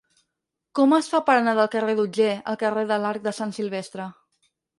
Com es fa per anar del carrer d'Otger al carrer de l'Arc de Sant Silvestre?